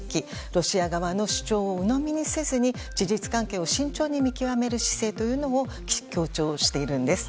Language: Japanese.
ロシア側の主張をうのみにせずに事実関係を慎重に見極める姿勢を強調しているんです。